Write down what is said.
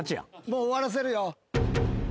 もう終わらせるよ。